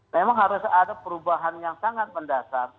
memang harus ada perubahan yang sangat mendasar